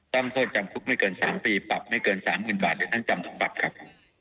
ต้องโทษจำคุกไม่เกิน๓ปีปรับไม่เกิน๓๐๐๐๐บาทหรือที่นั่งจำเป็นปรับ